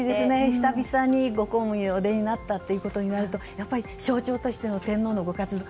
久々に、ご公務にお出になったということになると象徴としての天皇のご活動